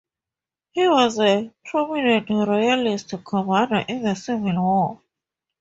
He was a prominent Royalist commander in the Civil War.